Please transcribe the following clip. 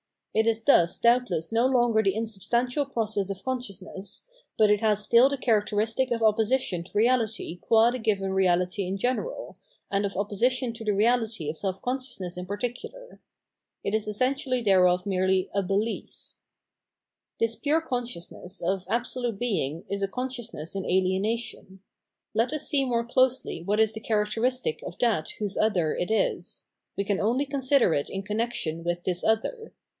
It is thus doubtless no longer the insubstantial process of con sciousness ; but it has stih the characteristic of opposi tion to reahty qua the given reahty in general, and of opposition to the reahty of self consciousness in par ticular. It is essentially therefore merely a helief. 537 Belief and Pure Insight This pure consciousness of Absolute Being is a con sciousness in alienation. Let ns see more closely what is the characteristic of that whose other it is ; we can only consider it in connection with this other.